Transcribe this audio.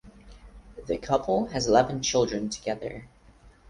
The couple has eleven children together.